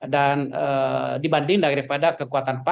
dan dibanding daripada kekuatan sosial